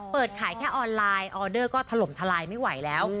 เปิดขายแค่ออนไลน์ออเดอร์ก็ถล่มทลายไม่ไหวแล้ว